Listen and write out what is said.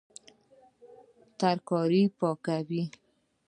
ترکاري پاکوي